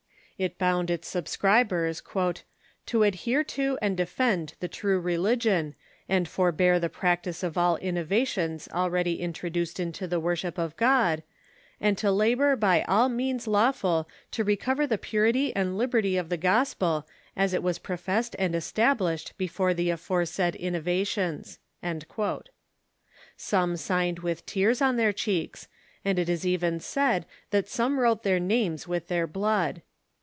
It bound its subscribers " to adhere to and 374 THE MODERN CHURCH defend the true religion, and forbear the practice of all inno vations already introduced into the worship of God; and to labor by all means lawful to recover the purity and liberty of the gospel as it was professed and established before the afore said innovations." Some signed with tears on their cheeks, and it is even said that some wrote their names with their blood.